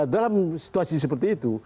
dalam situasi seperti itu